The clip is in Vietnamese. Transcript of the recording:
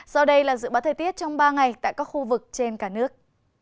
sau đây là dự báo thời tiết trong ba ngày tại các khu vực trên cả nước